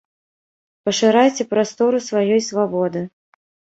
Пашырайце прастору сваёй свабоды.